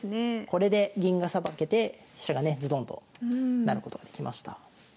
これで銀がさばけて飛車がねズドンと成ることができました。